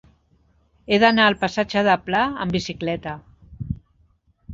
He d'anar al passatge de Pla amb bicicleta.